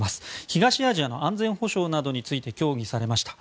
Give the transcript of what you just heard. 東アジアの安全保障などについて協議されました。